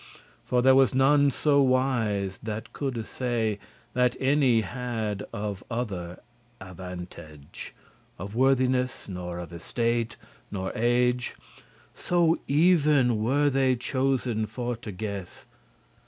For there was none so wise that coulde say That any had of other avantage Of worthiness, nor of estate, nor age, So even were they chosen for to guess.